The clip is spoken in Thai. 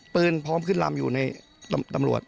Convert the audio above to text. พร้อมขึ้นลำอยู่ในตำรวจ